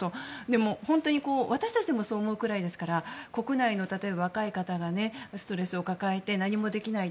でも、私たちがそう思うぐらいですから国内の若い方がストレスを抱えて何もできない。